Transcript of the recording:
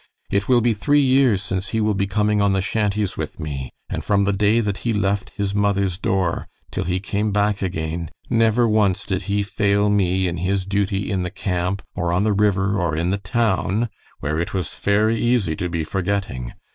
It will be three years since he will be coming on the shanties with me, and from the day that he left his mother's door, till he came back again, never once did he fail me in his duty in the camp, or on the river, or in the town, where it was fery easy to be forgetting.